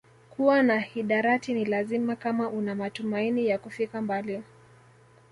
Kuwa na hidarati ni lazima kama una matumaini ya kufika mbali